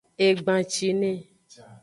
Egbancine.